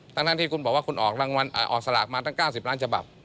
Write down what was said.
ทั้งที่คุณบอกว่าคุณออกรางวัลออกสลากมาตั้ง๙๐ล้านฉบับ